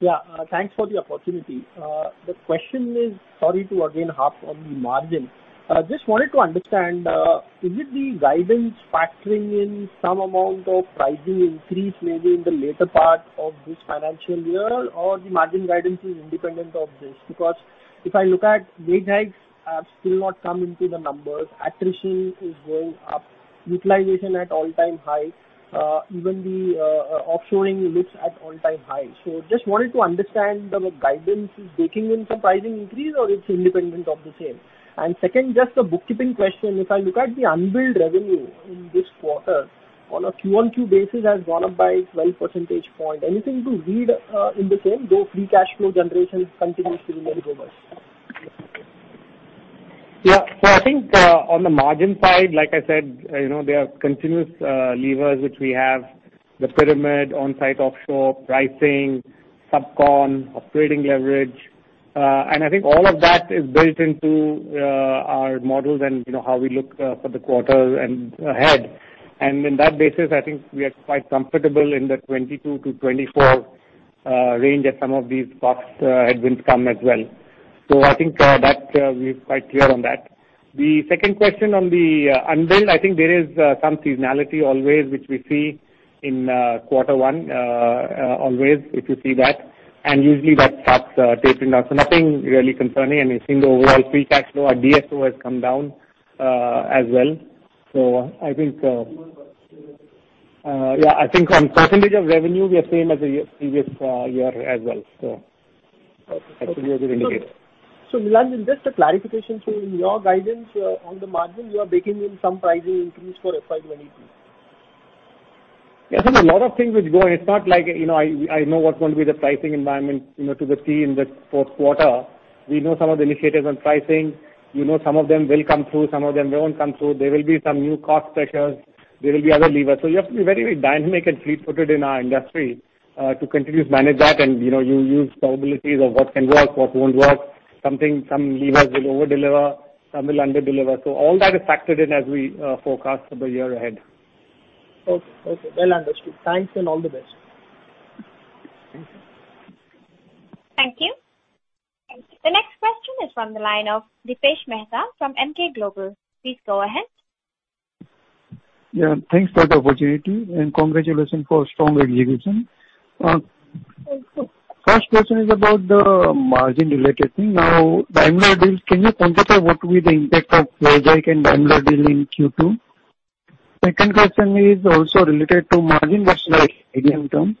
S14: Yeah. Thanks for the opportunity. The question is, sorry to again harp on the margin. Just wanted to understand, is it the guidance factoring in some amount of pricing increase, maybe in the later part of this financial year, or the margin guidance is independent of this? If I look at wage hikes have still not come into the numbers, attrition is going up, utilization at all-time high. Even the offshoring looks at all-time high. Just wanted to understand the guidance. Is it baking in some pricing increase or it's independent of the same? Second, just a bookkeeping question. If I look at the unbilled revenue in this quarter on a QoQ basis has gone up by 12 percentage point. Anything to read in the same, though free cash flow generation continues to remain robust?
S5: I think on the margin side, like I said, there are continuous levers which we have. The pyramid, onsite, offshore pricing, subcon, operating leverage. I think all of that is built into our models and how we look for the quarter and ahead. On that basis, I think we are quite comfortable in the 22%-24% range that some of these bumps had been from as well. I think that we're quite clear on that. The second question on the unbilled, I think there is some seasonality always, which we see in quarter one always, if you see that, and usually that starts taping out. Nothing really concerning. I think the overall free cash flow or DSO has come down as well. Yeah, I think on percentage of revenue, we are same as the previous year as well. I think we are doing good.
S14: Nilanjan, just a clarification. In your guidance on the margin, you are baking in some pricing increase for FY 2022?
S5: Yes. I mean, a lot of things will go. It's not like I know what's going to be the pricing environment to the T in the fourth quarter. We know some of the initiatives on pricing. Some of them will come through, some of them won't come through. There will be some new cost pressures, there will be other levers. You have to be very dynamic and fleet-footed in our industry to continue to manage that. You use probabilities of what can work, what won't work. Some levers will over-deliver, some will under-deliver. All that is factored in as we forecast for the year ahead.
S14: Okay. Well understood. Thanks, and all the best.
S5: Thank you.
S1: Thank you. The next question is on the line of Dipesh Mehta from Emkay Global. Please go ahead.
S15: Yeah. Thanks for the opportunity, and congratulations for a strong execution. First question is about the margin related thing. Now then maybe, can you quantify what will be the impact of Daimler and large deal in Q2? Second question is also related to margin. That's why medium term.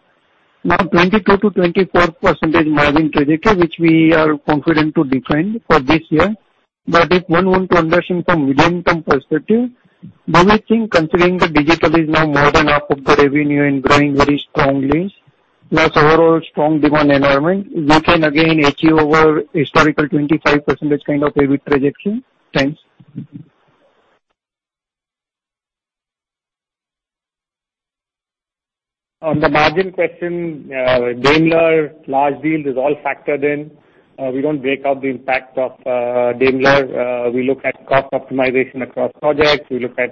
S15: Now 22%-24% margin guidance, which we are confident to defend for this year. If one want to understand from medium-term perspective, do you think considering the digital is now more than half of the revenue and growing very strongly, plus overall strong demand environment, we can again achieve our historical 25% kind of EBITDA projection? Thanks.
S5: On the margin question, Daimler large deal is all factored in. We don't break up the impact of Daimler. We look at cost optimization across projects. We look at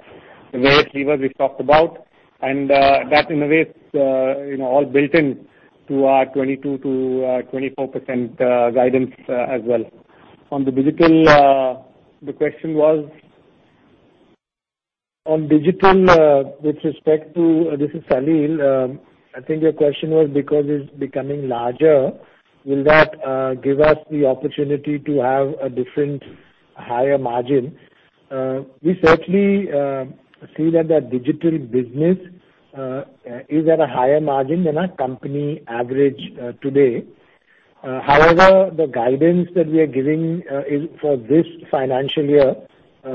S5: various levers we talked about. That in a way is all built into our 22%-24% guidance as well. On the digital, the question was?
S3: On digital, with respect to, this is Salil. I think your question was because it's becoming larger, will that give us the opportunity to have a different higher margin? We certainly see that the digital business is at a higher margin than our company average today. However, the guidance that we are giving for this financial year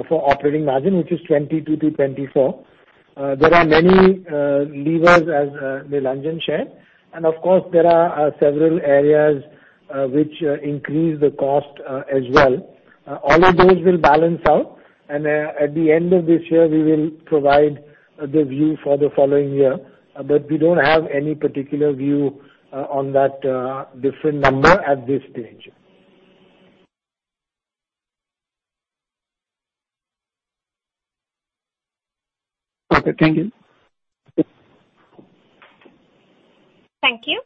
S3: for operating margin, which is 22%-24%, there are many levers as Nilanjan shared, and of course, there are several areas which increase the cost as well. All of those will balance out. At the end of this year, we will provide the view for the following year. We don't have any particular view on that different number at this stage.
S15: Okay. Thank you.
S1: Thank you.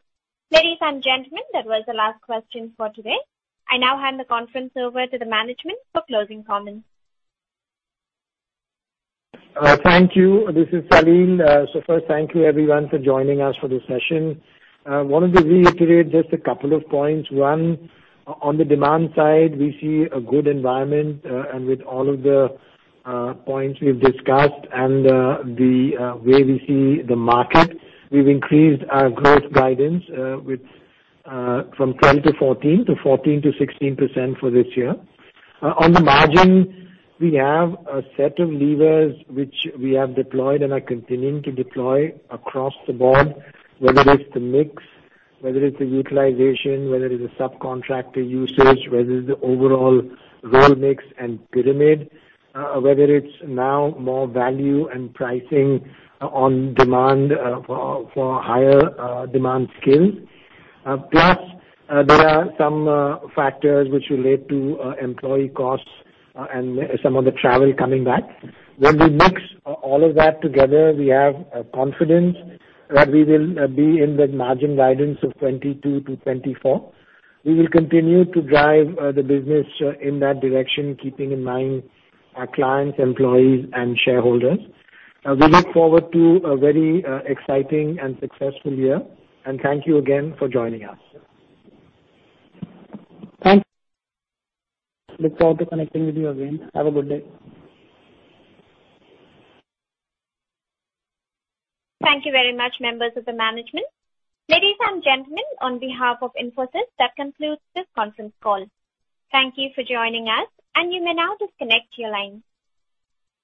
S1: Ladies and gentlemen, that was the last question for today. I now hand the conference over to the management for closing comments.
S3: Thank you. This is Salil. First, thank you everyone for joining us for this session. Wanted to reiterate just a couple of points. One, on the demand side, we see a good environment. With all of the points we've discussed and the way we see the market, we've increased our growth guidance from 12%-14% to 14%-16% for this year. On the margin, we have a set of levers which we have deployed and are continuing to deploy across the board, whether it's the mix, whether it's the utilization, whether it's the subcontractor usage, whether it's the overall role mix and pyramid, whether it's now more value and pricing on demand for higher demand skills. There are some factors which relate to employee costs and some of the travel coming back. When we mix all of that together, we have confidence that we will be in that margin guidance of 22%-24%. We will continue to drive the business in that direction, keeping in mind our clients, employees, and shareholders. We look forward to a very exciting and successful year, and thank you again for joining us.
S2: Thanks. Look forward to connecting with you again. Have a good day.
S1: Thank you very much, members of the management. Ladies and gentlemen, on behalf of Infosys, that concludes this conference call. Thank you for joining us, and you may now disconnect your line.